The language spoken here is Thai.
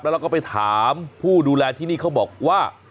เราก็ไปถามผู้ดูแลที่นี่เขาบอกว่า